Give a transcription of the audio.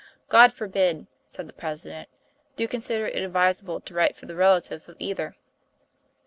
"God forbid!" said the President. "Do you con sider it advisable to write for the relatives of either?"